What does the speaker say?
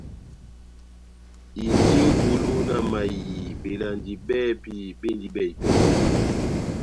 Indi ó bulu na mayiii belandi bɛ́hɛ́pi bendi bɛhi-bɛhi.